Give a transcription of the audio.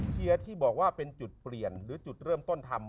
เชียร์ที่บอกว่าเป็นจุดเปลี่ยนหรือจุดเริ่มต้นทำ